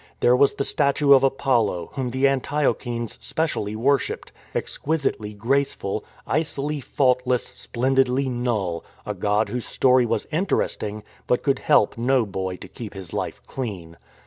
There was the statue of Apollo, whom the Antiochenes specially worshipped, exquisitely graceful, " icily fault less, splendidly null "; a god whose story was interest ing, but could help no boy to keep his life clean.